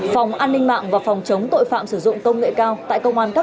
phòng an ninh mạng và phòng chống tội phạm sử dụng công nghệ cao